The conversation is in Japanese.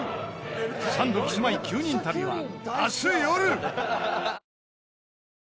サンドキスマイ９人旅は明日よる